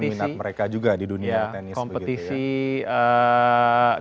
menyeluruhkan minat mereka juga di dunia tenis begitu ya